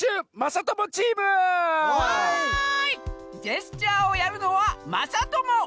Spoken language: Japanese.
ジェスチャーをやるのはまさとも！